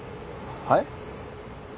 はい？